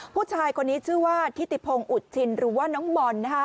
ผู้ชายคนนี้ชื่อว่าทิติพงศ์อุดชินหรือว่าน้องบอล